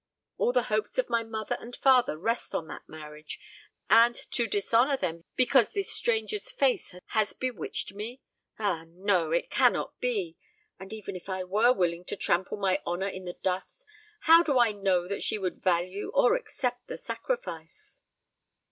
All the hopes of my mother and father rest on that marriage; and to disappoint them because this stranger's face has bewitched me? Ah, no, it cannot be. And even if I were willing to trample my honour in the dust, how do I know that she would value or accept the sacrifice?"